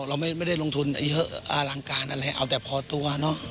เราไม่ได้ลงทุนเยอะอลังการอะไรเอาแต่พอตัวเนอะ